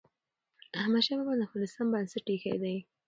احمد شاه بابا د افغانستان بنسټ ايښی دی.